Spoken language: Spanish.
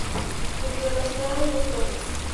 Dentro de la ciudad hay dos torres.